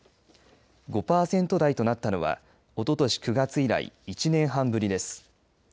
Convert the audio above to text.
５パーセント台となったのはおととし９月以来１年半ぶりです。